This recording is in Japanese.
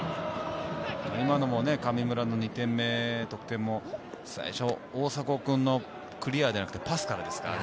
今のも神村の２点目、最初、大迫君のクリアじゃなくてパスからですからね。